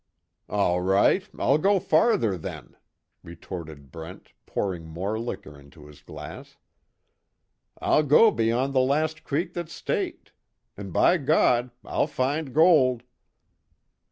"All right, I'll go farther, then," retorted Brent, pouring more liquor into his glass. "I'll go beyond the last creek that's staked. And, by God, I'll find gold!"